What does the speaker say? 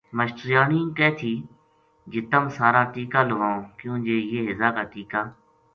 ماشٹریانی کہہ تھی جے تم سارا ٹیکہ لوواؤں کیو ں جے یہ ہیضہ کا ٹیکہ